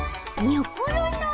にょころの？